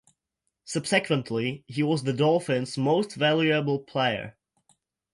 Subsequently, he was the Dolphins' Most Valuable Player.